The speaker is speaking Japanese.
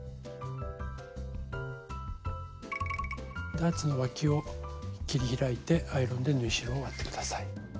ダーツのわを切り開いてアイロンで縫い代を割って下さい。